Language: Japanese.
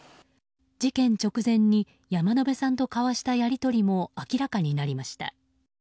事件直前に山野辺さんと交わしたやり取りも明らかになりました。